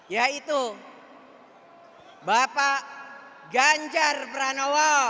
yaitu bapak ganjar pranowo